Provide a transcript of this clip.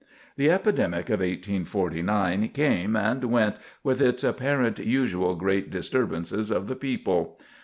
The epidemic of 1849 came and went with its apparent usual great disturbances of the people.